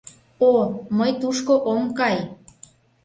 — О, мый тушко ом кай!